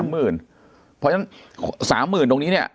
เพราะฉะนั้น๓๐๐๐ตรงนี้เนี่ย